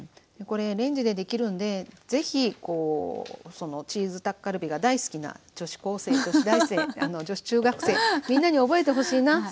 これレンジでできるのでぜひチーズタッカルビが大好きな女子高生女子大生女子中学生みんなに覚えてほしいな。